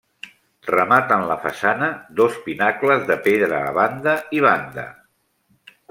Rematen la façana, dos pinacles de pedra a banda i banda.